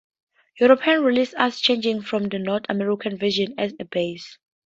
European releases use changes from the North American version as a base.